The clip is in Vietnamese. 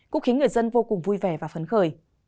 cũng khiến người dân vô cùng vui vẻ và phấn khởi